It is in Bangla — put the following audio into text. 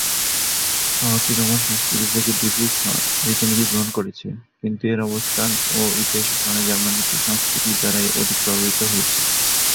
শহরটি রোমান সংস্কৃতি থেকে বিপুল রীতিনীতি গ্রহণ করেছে, কিন্তু এর অবস্থান ও ইতিহাসের কারণে জার্মানিক সংস্কৃতি দ্বারাই অধিক প্রভাবিত হয়েছে।